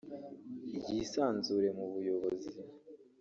yisanzure mu buyobozi